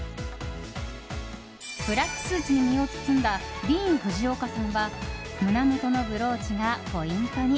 ブラックスーツに身を包んだディーン・フジオカさんは胸元のブローチがポイントに。